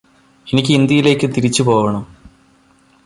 എനിക്ക് ഇന്ത്യയിലേക്ക് തിരിച്ചുപോവണം